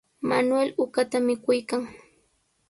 Manuel uqata mikuykan.